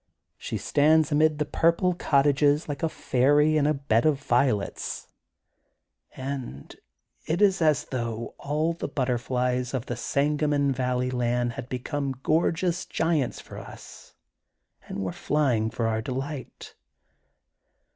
She stands amid the purple cottages like a fairy in a bed of violets and it is as though all the butterflies of the Sangamon Valley land had become gorgeous giants for us and were flying for our delight.